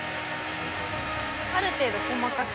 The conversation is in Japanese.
ある程度細かく。